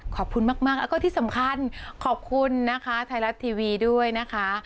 ขอบคุณมากแล้วก็ที่สำคัญขอบคุณนะคะไทยรัฐทีวีด้วยนะคะ